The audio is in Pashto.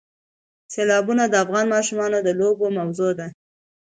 سیلابونه د افغان ماشومانو د لوبو موضوع ده.